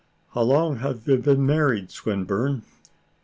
"How long have you been married, Swinburne?"